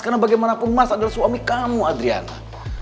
karena bagaimanapun mas adalah suami kamu adriana